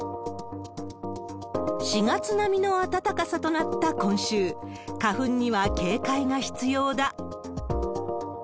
４月並みの暖かさとなった今週、花粉には警戒が必要だ。